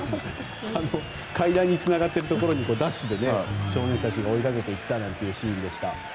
階段につながっているところにダッシュで少年たちが追いかけていったなんていうシーンでした。